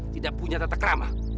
tidak punya tata kerama